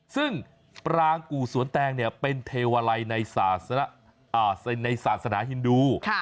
ซึ่งปรางกู่สวนแตงเป็นเทวาลัยในศาสนาฮินดู